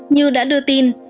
như đã đưa tin